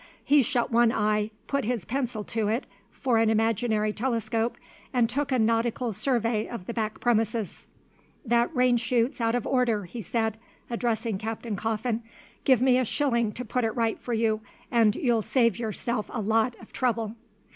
He shut one eye, put his pencil to it for an imaginary telescope, and took a nautical survey of the back premises. "That rain shute's out of order," he said, addressing Captain Coffin. "Give me a shilling to put it right for you, and you'll save yourself a lot of trouble."